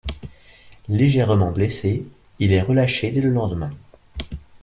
Légèrement blessé, il est relâché dès le lendemain.